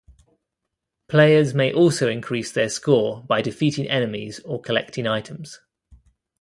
Players may also increase their score by defeating enemies or collecting items.